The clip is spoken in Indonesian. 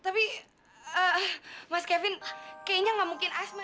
tapi mas kevin kayaknya nggak mungkin asma